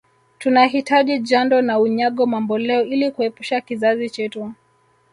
Tunahitaji Jando na Unyago mamboleo Ili kuepusha kizazi chetu